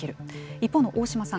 一方の大島さん